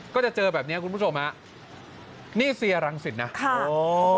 ก็จะเจอแบบเนี้ยคุณผู้ชมฮะนี่เซียรังสิตนะค่ะโอ้